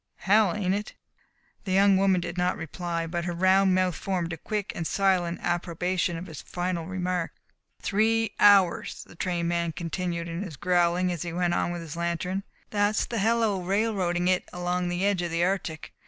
Hell, ain't it?" The young woman did not reply, but her round mouth formed a quick and silent approbation of his final remark. "Three hours!" the train man continued his growling as he went on with his lantern. "That's the hell o' railroading it along the edge of the Arctic.